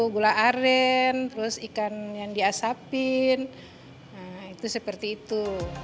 gula aren terus ikan yang diasappin itu seperti itu